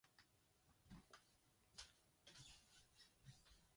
After a short hospital treatment, Meredith was released.